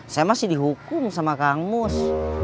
saya masih dihukum sama kang mus